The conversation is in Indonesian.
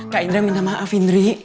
kak indra minta maaf findri